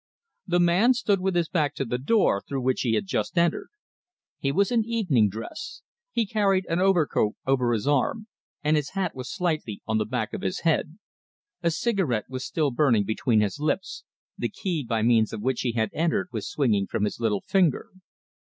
The man stood with his back to the door through which he had just entered. He was in evening dress; he carried an overcoat over his arm, and his hat was slightly on the back of his head. A cigarette was still burning between his lips, the key by means of which he had entered was swinging from his little finger.